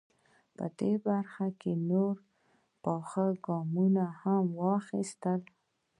په دې برخه کې نور پاخه ګامونه هم واخیستل.